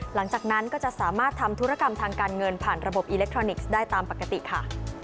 หลังจากนั้นก็จะสามารถทำธุรกรรมทางการเงินผ่านระบบอิเล็กทรอนิกส์ได้ตามปกติค่ะ